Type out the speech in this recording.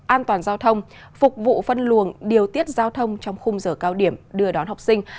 an toàn giao thông phục vụ phân luồng điều tiết giao thông trong khung giờ cao điểm đưa đón học sinh